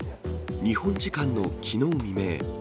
日本時間のきのう未明。